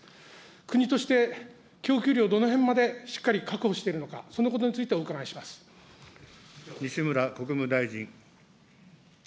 国として、供給量、どのへんまでしっかり確保しているのか、西村国務大臣。